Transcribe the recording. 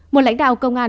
một lãnh đạo công an